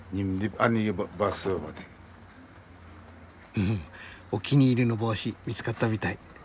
ふふお気に入りの帽子見つかったみたい。